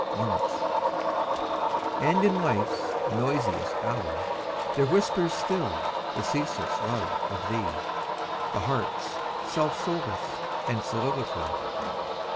25 And in Life's noisiest hour There whispers still the ceaseless love of thee, The heart's self solace } and soliloquy.